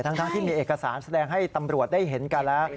ทั้งที่มีเอกสารแสดงให้ตำรวจได้เห็นกันแล้ว